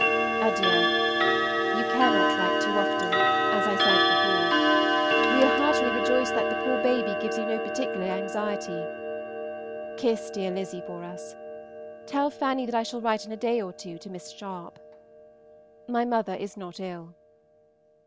Adieu. You cannot write too often, as I said before. We are heartily rejoiced that the poor baby gives you no particular anxiety. Kiss dear Lizzy for us. Tell Fanny that I shall write in a day or two to Miss Sharpe. My mother is not ill.